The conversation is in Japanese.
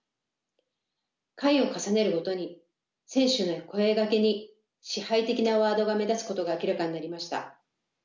回を重ねるごとに選手への声掛けに支配的なワードが目立つことが明らかになりました。